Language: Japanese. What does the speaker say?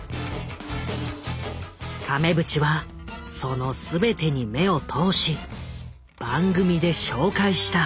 亀渕はその全てに目を通し番組で紹介した。